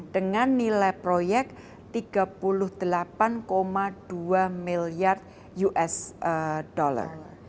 dengan nilai proyek tiga puluh delapan dua miliar usd